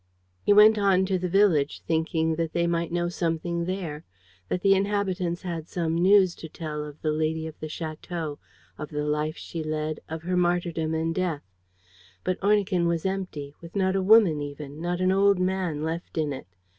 He went on to the village, thinking that they might know something there; that the inhabitants had some news to tell of the lady of the château, of the life she led, of her martyrdom and death. But Ornequin was empty, with not a woman even, not an old man left in it.